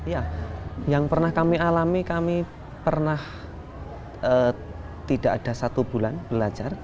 ya yang pernah kami alami kami pernah tidak ada satu bulan belajar